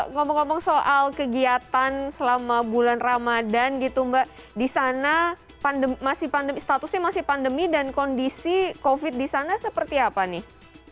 ngomong ngomong soal kegiatan selama bulan ramadan gitu mbak di sana statusnya masih pandemi dan kondisi covid di sana seperti apa nih